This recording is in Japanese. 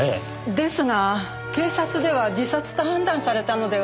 ですが警察では自殺と判断されたのでは？